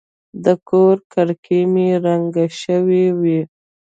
د کور کړکۍ مې رنګه شوې وې.